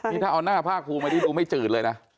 นี่ถ้าเอาหน้าผ้าครูมาดูไม่จืดเลยนะ